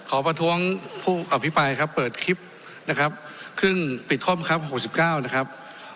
ประท้วงผู้อภิปรายครับเปิดคลิปนะครับครึ่งปิดข้อมครับ๖๙นะครับ